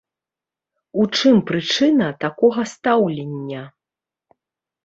У чым прычына такога стаўлення?